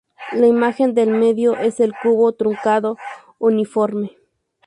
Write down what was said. La imagen del medio es el cubo truncado uniforme.